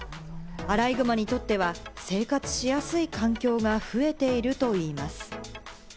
アライグマにとっては生活しやすい環境が増えているといいます。